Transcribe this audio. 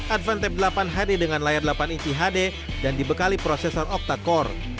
advan tep delapan hadir dengan layar delapan inci hd dan dibekali processor octa core